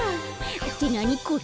ってなにこれ？